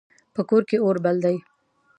په کور کې اور بل ده